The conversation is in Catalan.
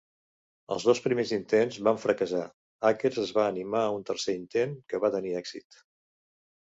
Els dos primers intents van fracassar; Akers es va animar a un tercer intent que va tenir èxit.